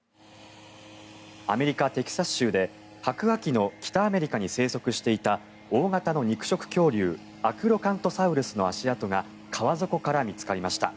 アメリカ・テキサス州で白亜紀の北アメリカに生息していた大型の肉食恐竜アクロカントサウルスの足跡が川底から見つかりました。